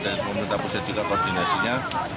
dan pemerintah pusat juga koordinasinya